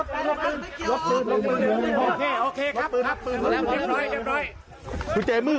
ระวังระวังระวังปืน